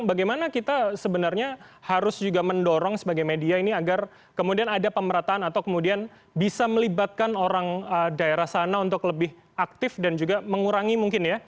bagaimana kita sebenarnya harus juga mendorong sebagai media ini agar kemudian ada pemerataan atau kemudian bisa melibatkan orang daerah sana untuk lebih aktif dan juga mengurangi mungkin ya